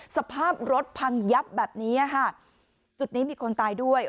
สภาพรถพังยับแบบนี้ค่ะจุดนี้มีคนตายด้วย